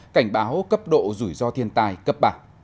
cảnh báo cấp độ rủi ro thiên tai cấp ba